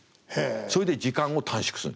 そいで時間を短縮する。